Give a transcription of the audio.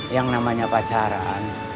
yang namanya pacaran